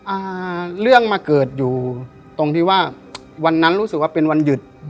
อ่าเรื่องมาเกิดอยู่ตรงที่ว่าวันนั้นรู้สึกว่าเป็นวันหยุด